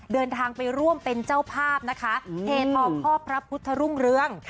เดินทางไปร่วมเป็นเจ้าภาพนะคะเททองพ่อพระพุทธรุ่งเรือง